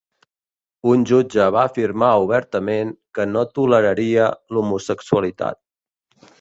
Un jutge va afirmar obertament que "no toleraria l'homosexualitat".